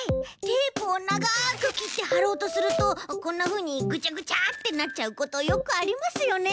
テープをながくきってはろうとするとこんなふうにぐちゃぐちゃってなっちゃうことよくありますよね。